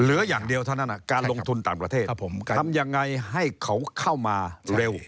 เหลืออย่างเดียวเท่านั้นการลงทุนต่างประเทศทำยังไงให้เขาเข้ามาเร็ว